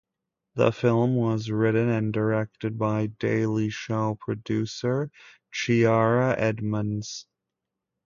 The film was written and directed by "Daily Show" producer Chiara Edmands.